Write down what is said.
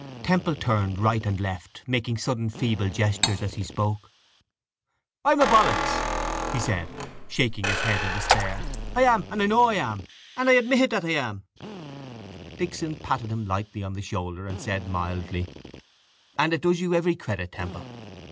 Temple turned right and left, making sudden feeble gestures as he spoke. —I'm a ballocks, he said, shaking his head in despair. I am and I know I am. And I admit it that I am. Dixon patted him lightly on the shoulder and said mildly: —And it does you every credit, Temple.